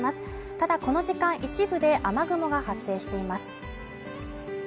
ただこの時間一部で雨雲が発生しています。